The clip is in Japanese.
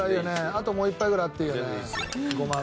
あともう一杯ぐらいあっていいよねごま油。